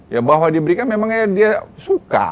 ya bahwa diberikan memang ya dia suka